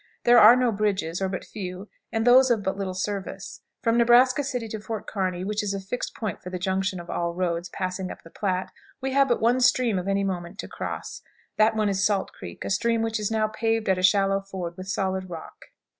There are no bridges, or but few, and those of but little service. From Nebraska City to Fort Kearney, which is a fixed point for the junction of all roads passing up the Platte, we have but one stream of any moment to cross. That one is Salt Creek, a stream which is now paved at a shallow ford with solid rock.